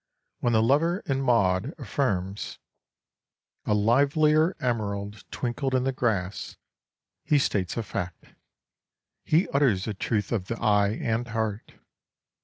When the lover in Maud affirms: A livelier emerald twinkled in the grass, he states a fact. He utters a truth of the eye and heart.